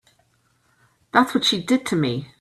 That's what she did to me.